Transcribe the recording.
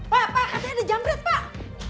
wah pak katanya ada jamret pak